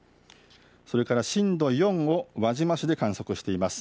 それから震度４を輪島市で観測しています。